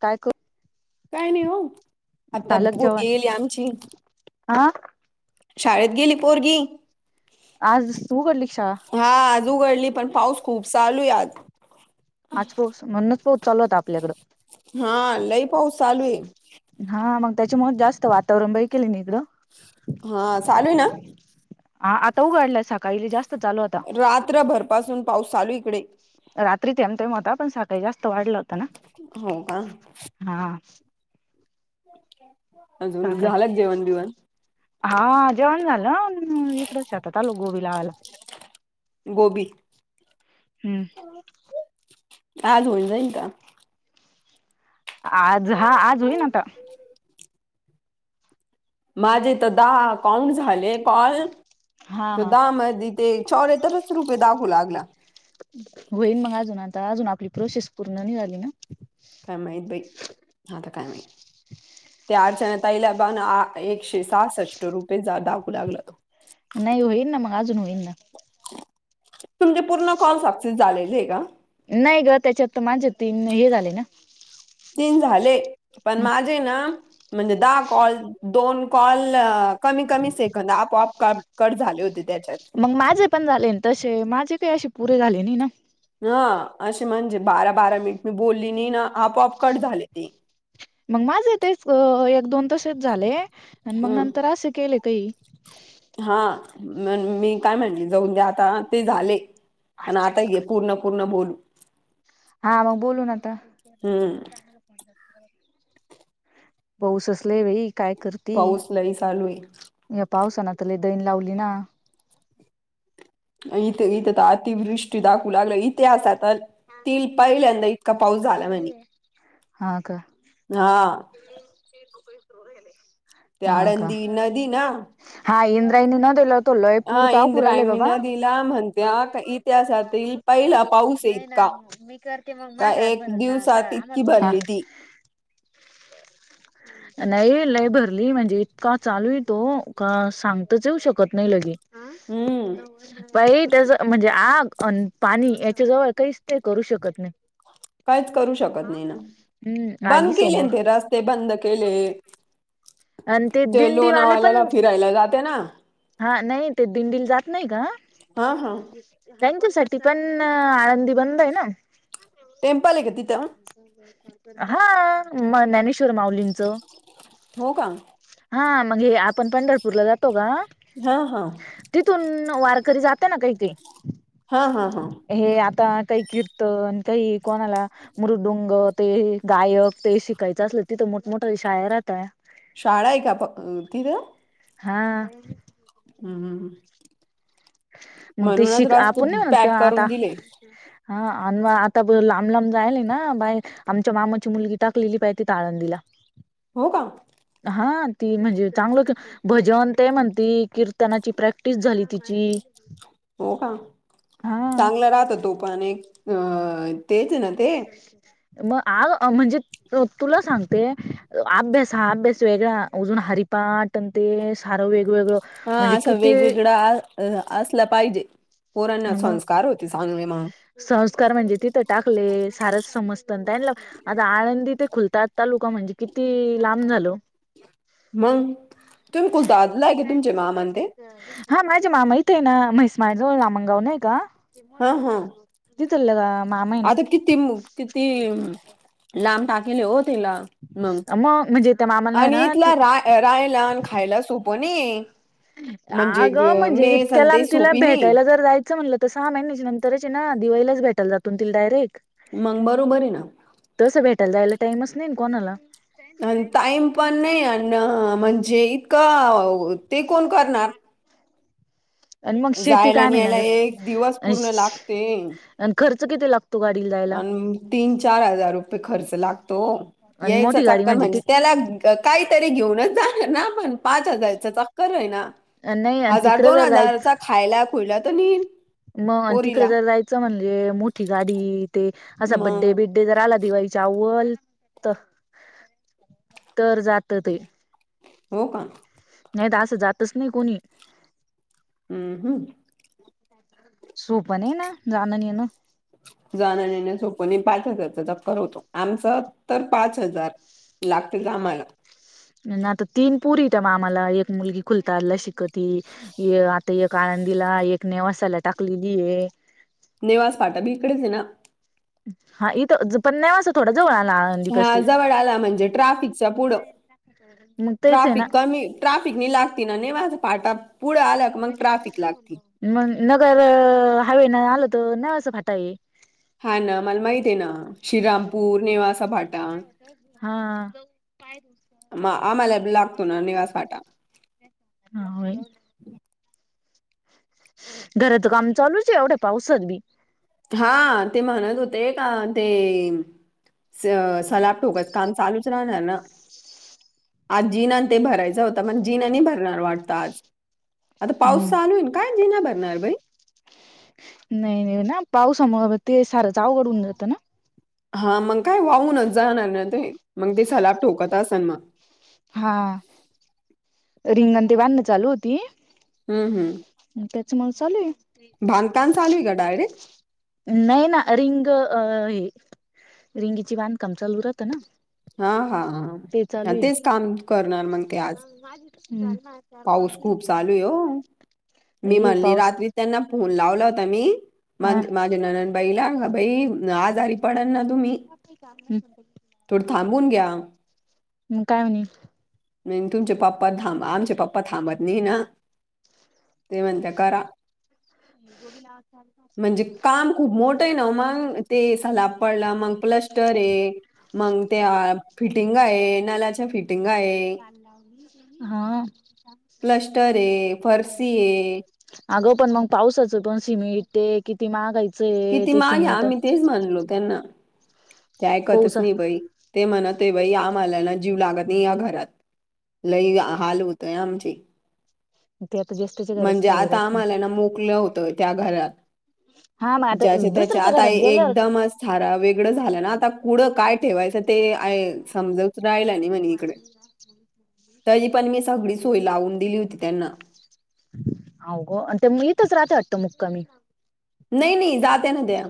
काय कर काय नाही हो आता बरी येईल आमची आा शाळेत गेली पोरगी आज तू करडली कक्षषा हा आज उघडली पण पाऊस खूप चालू आहे आज आज पो म्हणूनच पो चालू होता आपल्याकडं हा लई पाऊस चालू आहे. हा मग त्याच्या म जास्त वातावरण ब केले नि इकडं हा चालूय ना हा आता उघाडलाय सकाळीली जास्त चालू आता रात्रभरपासून पाऊस चालू इकडे रात्री तेम तेम होता पण साखळी जास्त वाढला होता ना हो का हा च्के सकाळी झालंच जेवण बिवण हा जेवण झालं एक रस हातात आलो गोबी लावायला गो हम्म आज होईन जाईन का आज हा आज होई ना आता माझेथ दहाकाॉंट झाले कॉल हा त हा दहा मध्ये ते चौर तरच रुपये दागू लागला होईन मग अजून आता अजून आपली प्रोसेस पूर्ण नाही झाली ना काय माहीत बाई हांता काय माही त्या अर्चना तईलाबाान एकशे सासष्ट रुपये दागू लागला तो नाही होईन ना मग अजून होईन ना तुमचे पूर्ण कॉल सक्सेस झालेले आहे का? नाही ग त्याच्यात त माझे तीन हे झाले ना. तीन झाले, पण माझे ना, म्हणजे दहा कॉल दोन कॉल कमी कमी सेकंद आपोआप क कट झाले होते त्याच्यात. मग माझे पण झाले तंशे माझे काही अशे पुरे झाले नाही ना. हं अशे म्हणजे बारा बारा मिनिट मी बोलली नाही ना आपोआप कट झाले ते. मग माझं तेच एक दोन तसेच झाले, आणि मग हम्म नंतर असे केले काही. हा म मी काय म्हणले जाऊन दे आता ते झाले. पण आता घे पूर्ण पूर्ण बोलू. हा म बोलून न आता. हम्म पाऊसच लई बई काय कर पाऊस लय चालूये. या पावसान त लई दईन लावली ना. इथे इथे तर अतिवृष्टी दाखवू लागल इतिहासात ती पहिल्यांदा इतका पाऊस झाला म्हने, हा का हा. [unintelligible] ते हा का आळंदी नदी ना. हा इंद्रायनी नदिला लय पुर तापु रायलाय बाबा. ला म्हणत्या का इतिहासातील पहिला पाऊस आहे नाही ना इतका मी करते मग का माझ्या हात एक भरन ना मला दिवसात इतकी आनंद होतो. हा. भरली ती [unintelligible] नाही लय भरली म्हणजे इतका चालूय तो का सांगताच येऊ शकत नाही लगे. हम्म बई त्याच म्हणजे आग अन पाणी या त्याच्या जवळ काहीच ते करू शकत नाही. काहीच करू शकत नाही ना, हम्म आगी बंद केले समोर ते रस्ते बंद केले. आणि ते दिंडीवाले लोणावळ्याला पण फिरायला जाते ना. हा नाही ते दिंडील जात नाही का? हा हा त्यांच्यासाठी पण आळंदी बंद आहे ना. टेम्पल हे का तिथं. हा मने आणि शूर माउलींचं. हो का. हा मग हे आपण पंढरपूरला जातो का? हा हा. तिथून वारकरी जाते ना काही काही. हा हा हा. हे आता काही किर्तन काही कोणाला मृदुंग ते गायक ते शिकायचं असल तिथं मोठमोठ्या शाळ राहतय. शाळा आहे का प तिथं. हा. हम्म, मग ते म्हणूनच शिक रास् तू आपण नाही म्हणत का पॅक आता करून दिले. हा आणि म आता लांब लांब जायल ना बाहेर. आमच्या मामाची मुलगी टाकलेली पाहय तिथं आळंदीला. हो का? हा ती म्हणजे चांगलं क भजन ते म्हणती कीर्तनाची प्रॅक्टिस झाली तिची. हो का, हा चांगलं राहत तो पण एक, अ तेच आहे ना ते म आ म्हणजे हो तुला सांगते, अभ्यास हा अभ्यास वेगळा अजून हरिपाटन ते सारं वेगवेगळं, हा म्हणजे असं किती वेगवेगळा आ असलं पाहिजे, पोरांना मग संस्कार होते चांगले म. संस्कार म्हणजे तिथं टाकले सारच समजतन त्यांनल. आता आळंदी ते खुलतात तालुका म्हणजे किती लांब झाल ओ मंग तुम्ही कूजलात लाय के तुमचे मामनं ते हा माझे मामा इथं य ना म्हैस मार्ट ला जवळ आमंगावं नय का हा हा तिथलं का आता किती म किती अं लांब टाकले ओ तिला मंग मग म्हणजे त्या मामाला आहे आणि ना ती इथला राय रायला आणि खायला सोपं नये. अगं म्हणजे इतक्या लांब तिला सोपी नाही भेटायला जर जाय चा म्हटलं त सहा महिन्याच्या नंतरच हे ना दिवाळीलाचं भेटाल जातो ना तिला डायरेक्ट. मंग बरोबर ये ना तसं भेटायला जायला टाईमच नाई ना कोणाला. अनं टाईम पण नय अनं म्हणजे इतकं अ ते कोण करणार आणि मग शेती जायला कायम आणि ये ना यायला ग एक दिवस पूर्ण अस्स लागते आणि खर्च किती लाग अनं तीन चार हजार रुपये खर्च लागतो आणि यायचा मोठी गाडी चाक्कर ती म्हणजे त्याला अ काहीतरी घेऊनच जाणार ना आपण पाच हजारच चक्कर हाय ना नाही आणि हजार तिकडे दोन जर हजारचा खायला खुईला तर न्हेईन म आणि तिकड जर जायचं म्हणजे मोठी गाडी ते असा बड्डे मग बिड् ड्डे जर आला दिवाळीच्या अव्वल त तर जात ते हो का नाय त असं जातच नाय कोणी अ हूं [unintelligible] सोप नय जाण नि येन जाण न येणं सोप नाय पाच हजारचा चक्कर होतो आमचा तर पाच हजार लागतेत आम्हाला ना त तीन पोरी ये त्या मामाला एक मुलगी खुलतालला शिकती. ये आता एक आळंदीला एक नेवासाला टाकलेली ये. नेवास फाटा बी इकडच ये ना. हा इथं ज पण नेवासा थोडा जवळ आला आळंदी हा पाशी जवळ आला म्हणजे ट्राफिकचा पुढं मग तेच आहे ना ट्राफिक कमी ट्राफिक नि लागती ना नेवासा फाटा पुढ आला की मग ट्राफिक लागती. मंग नगर हायवे न आल त नेवासा फाटा ये. हा न मला माहित ये ना श्रीरामपूर नेवास सा फाटा हा मा आम्हाला लागतो ना निवास फाटा. हा होय. घराचं काम चालूच ये एवढया पावसात बी हा ते म्हणत होते का ते स सलाब ठोकाच काम चालू च राणार ना आज जिना नं ते भरायचा होता मंग जिना नी भरणार वाटतं आज आता पाऊस हम्म. चालू ये ना काय जिना भरणार बाई नई नई ना पाऊसा मुग ते सारचं अवघड होऊन जातं ना. हा मंग काय वाहूनच जाणार ना ते मंग ते सलाब ठोकत आसनं म हा रिंग आणि ते बांधण चालू होती हूं हूं त्यांच मंग चालू ये. बांधकाम चालू ये का डायरेक्ट नाही ना रिंग अ हे रिंगीची बांधकाम चालू राहत ना हा हा हा हा तेच काम करणार मंग हा माझी तशीच हूं झाली माझी चार खूप पाच चालू आहे हो. [unintelligible] मी म्हणली रात्री त्यांना फोन लावला होता मी मा हा माझ्या ननद बाईला बाई आजारी पडल ना तुम्ही का? ोड थांबून घ्या आ मग काय म्हणे. नाही तुमचे पप्पा थां आम पप्पा थांबत नाही ना. ते म्हणते करा. गोदी लाववा. म्हणजे काम खूप मोठं आहे ना मग ते सलाब पडला मग प्लस्टर आहे. मग ते फिटिंग आहे नलाच्या फिटिंग आहे. हा. क्लस्टर आहे फरशी आहे. अगं पण मग पावसाचं पण सिमेंट. ते किती मागायचं आहे किती ते मागे सिमिंट. आम्ही तेच म्हणलो त्यांना. ते ऐकतच नाही बाई ते म्हणतय बाई आम्हालाला जीव लागत नाही या घरात. लय हाल उतो आमची. ते आता ज्येष्ठाच्या घरात म्हणजे सवय आता राहते आम्हाला ना मोकलं होतं त्या घरात हा मग आता ज्याचे त्याचे दुसऱ्याच्या आता घरात गेल्यावर एकदमच ारा वेगळं झालं ना आता कुडं काय ठेवायचं ते. समजवच राहिला नाही म्हणे इकडे तरी पण मी [unintelligible] सगळी सोय लावून दिली होती त्यांना हो ग आणि येतच रात्री हटतो मुक्कामी. नाही नाही जात्या ना त्या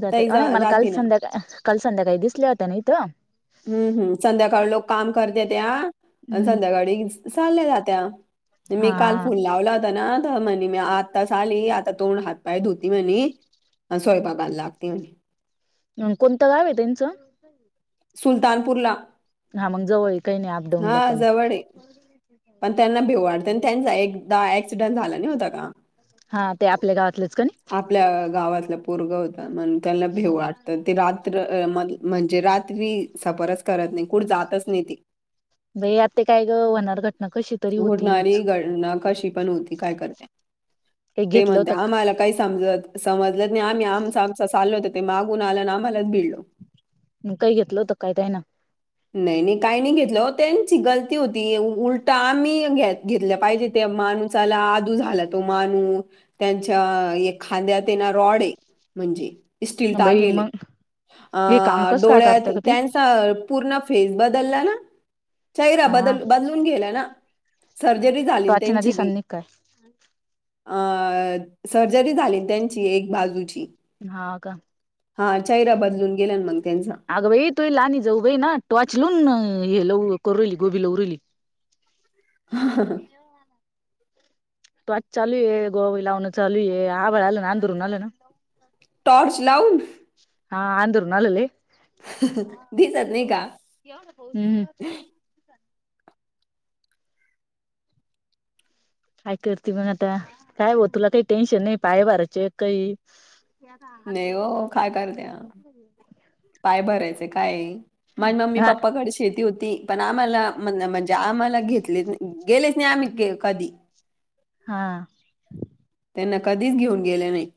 जात ताई आणि जा मला काल जाती ना. संध्याका काल संध्याकाळी दिसल्या होत्याना इथं. हम्म हम् संध्याकाळी लोक काम करते त्या हम्म संध्याकाळी चालल्या जात्या. मी काल फोन हा लावला होता ना. म्हणे मी आताच आली आता तोंड हात पाय धुती म्हणे स्वयंपाकयला लागते म्हणे. कोणतं काव आहे त्यांचं. ह [inaudible] सुलतानपूरला. हा मग जवळ काही नाही अपडाऊन ला हा पण. जवळ आहे. पण त्यांना भेऊडते आणि त्यांचा एकदा ऍक्सिडंट झाला नाही होता का. हा ते आपल्या गावातलेच का नाही. आपल्या गावातला पोरगं होता म्हण त्यांना भेऊ वाटतं ते रात्र म्हणजे रात्री सफरच करत नाही कुठ जातच नाही ते बई आता काय ग होणार घटना कशी तरी होतीच होडणारी गणना कशी पण होती काय करते काही ते घेतलं म्हणते होतं का आम्हाला. काही समजत समजलत नाही आम्ही आमचा आम चाल होत ते मागून आला ना आम्हालाच भिडलो. काही घेतलं होत काहीत आहे ना. नाही नाही काही नाही घेतलं हो त्यांची गलती होती उलट आम्ही घ घेतल्या पाहिजे. त्या माणूसाला आदू झाला तो मानू. त्यांच्या एक खांद्या त्यांना रॉड आहे म्हणजे. स्टीलताा बाई केले मग अ हे काम कस काय करत डोळ्यात का ते त्यांचा फेस बदलला चेहरा हा बदलून गेला ना. सर्जरी झाली वाचना त्यांची बी दिसांनी काय अ सर्जरी झाली त्यांची एक बाजूची. हा का हा हिरा बदलून गेल्यान मग त्यांचा.. अगं बाई तोही लाणी जाऊ बाई ना टॉर्च लुून हे लव करली गोबी लवली. [unintelligible] तो आज चालू ये गोवाई लावं चालू ये आवड आलं ना अंदरून आलं ना. टॉर्च लाऊण. हा. आंधरून आलेलंय. दिसत नाही का? [inaudible] काय करते मग आता? काय बाई तुला काही टेन्शन नाही. पाय भरायचे काही. ते आता हात नाही भरेल हो आहे. काय करत्या मला कुठेे- पाय भरायचं काय? माझी मम्मी हा पप्पाकडे शेती होती. पण आम्हाला म्हणजे आम्हाला घेतले नाही. गेलोच नाही आम्ही कधी. हा. ते न कधीच घेऊन गेले नाही.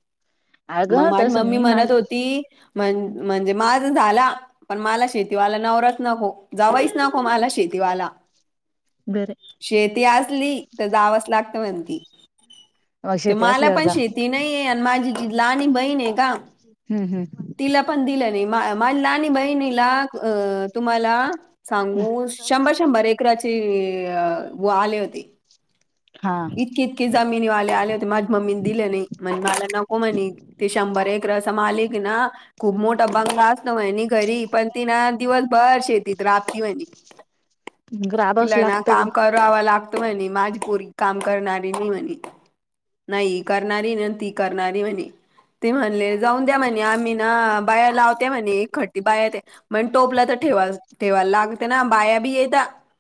मग अगं माझी तसं मम्मी मी माझ म्हणत होती- म्हण म्हणजे माझ झाला- पण मला शेतीवाला नवराच नको. जावईच नको मला शेतीवाला. बर. शेती असली तर जावच लागतं म्हणती. मग तर शेती मला असल्यावर पण जा शेती नाहीए. आणि माझी ती लहाणी बहीण आहे ना? [unintelligible] तिला पण दिलं नाही. माझ माझ्या लहाणी बहिणीला, अ तुम्हाला- सांगू. शंभर शंभर एकराची व हे आले होते. हा. की इतकी जमिनीवाले आले होते. माझ्या मम्मीने दिले नाही. म्हणे मला नको म्हणे ही. तो शंभर एकराचा मालिक ना? खूप मोठा बंगला असत म्हणी घरी. पण ती ना दिवस भर शेतीत राबती म्हणी. राबावच तिलाए ना लागतं ग काम करावा लागत म्हणे माझी पोरी- काम करणारी नाही म्हणे. नाही करणारी नाही ती करणारी म्हणे. ते म्हणले जाऊन द्या म्हणे आम्ही ना बाया लावते म्हणे. खट- बाया ते मग टोपला तर ठेवा ठेवायला लागते ना? बाया बी येत-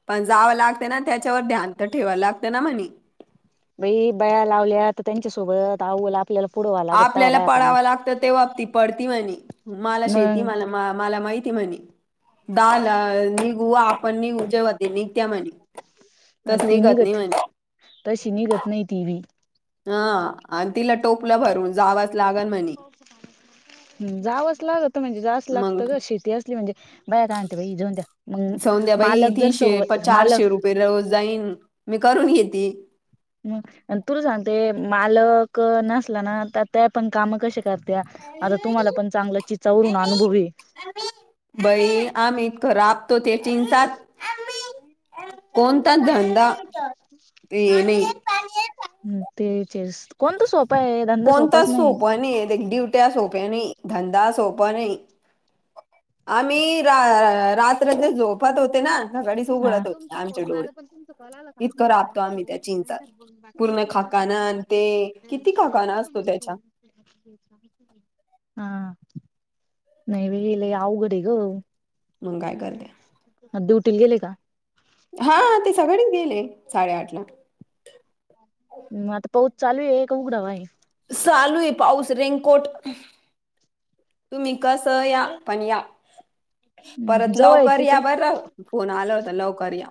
पण जावं लागते ना? त्याच्यावर ध्यान तर ठेवायला लागते ना म्हणे. बाई बाया लावल्या त त्यांच्यासोबत आऊ ला- [unintelligible] आपल्याला पळावं लागतं तेव्हा ती- पळती म्हणे. मला शेती मग म मला माहितीए म्हणे. दहाला- [unintelligible] आपण निघू तेव्हा त्यानिघता म्हणे. अ तस ति नाही निघत. म्हणे तशी निघत नाही ती बी. हा. आणि तिला टोपलं भरून जावच लागल म्हणे. हम्म. जावंच लागत म्हणजे? जावच लागत मग ग! शेती- म्हणजे बाया काय म्हणता बाई जाऊ द्या. मग सौंद्याबाई मालक जर तीनशे प स मालक- [unintelligible] जाईन मी करून घेते. ह. तुला सांगते मालक नसला ना? तर तेव्हा पण काम कसे करत- त्या? आता तुम्हाला पण चांगलं चिचावरून अनुभव येईल. बाई! आम्ही इतकं राबतो ते चिंचात- कोणताच धंदा [unintelligible] हे नाही हम् तेच ए. कोणता सोपा आहे? धंदा सोपाच कोणताच नाही. [unintelligible] [unintelligible] नाही. धंदा सोपा नाही. आम्ही रा रात्र झोपात होते ना? सकाळीच उघडत होते तुमचा आमचे फोन, डोळे मला पण तुमचा कॉल आला होता ना? इतकं कट झाला राबतो आम्ही त्या चिंचात [unintelligible] पूर्ण खकाणा न ते? किती खकाणा असतो त्याचा? [unintelligible] हा. नाई बाई लई अवघडये ग! मंग काय करत्या? द्युटीील गेले का? हा ते सगळेच गेले साडेआठ ला हम आता पाऊस चालू आहे का उघडा बा. चालू आहे पाऊस रेनकोट तुम्ही कसं या पण या. आहे परत जवळ आहे लवकर या तिथं बरं फोन आल होता लवकर या.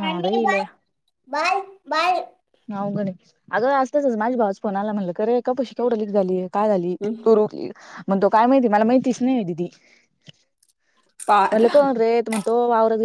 ह देले. Bye bye. ह गणे अगं असताच माझी भाऊच फोन आला म्हटलं अ रे एका पैशी का उडलीत झााली आहे. का झाली हं, तू रोखली मग तो काय माहिती मला माहितीच नाही दिदी पहा आता मल कोन रे म्ह तो